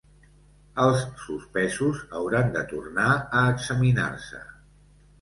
Els suspesos hauran de tornar a examinar-se.